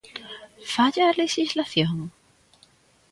Falla a lexislación?